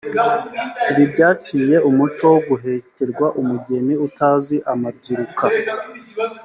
Ibi byaciye umuco wo guhekerwa umugeni utazi amabyiruka